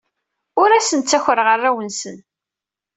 Ur asen-ttakreɣ arraw-nsen.